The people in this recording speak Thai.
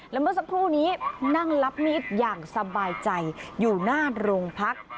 แล้วเมื่อสักครู่นี้นั่งรับมีดอย่างสบายใจอยู่หน้าโรงพัก